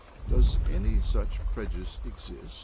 Does any such prejudice exist?